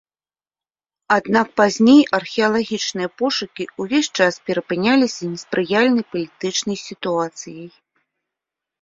Аднак пазней археалагічныя пошукі увесь час перапыняліся неспрыяльнай палітычнай сітуацыяй.